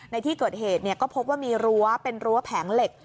ในที่เกิดเหตุก็พบว่ามีรั้วเป็นรั้วแผงเหล็ก